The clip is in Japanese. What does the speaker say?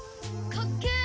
かっけえー！